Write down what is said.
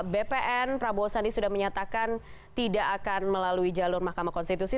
bpn prabowo sandi sudah menyatakan tidak akan melalui jalur mahkamah konstitusi